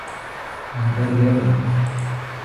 We berneda.